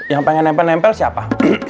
yang pengen nempel nempel siapa